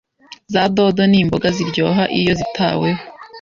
Za dodo ni imboga ziryoha iyo zitaweho